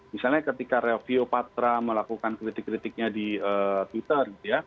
misalnya ketika revio patra melakukan kritik kritiknya di twitter